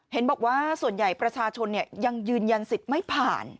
เห็นบอกว่าส่วนใหญ่ประชาชนยังยืนยันสิทธิ์ไม่ผ่าน